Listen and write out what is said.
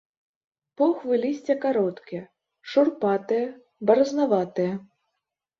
Похвы лісця кароткія, шурпатыя, баразнаватыя.